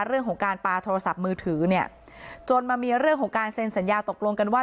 เรื่องของการปลาโทรศัพท์มือถือเนี่ยจนมามีเรื่องของการเซ็นสัญญาตกลงกันว่า